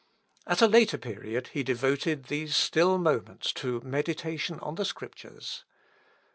At a later period he devoted these still moments to meditation on the Scriptures.